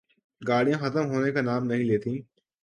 گاڑیاں ختم ہونے کا نام نہیں لیتیں۔